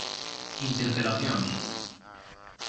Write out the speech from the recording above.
Interpelacións.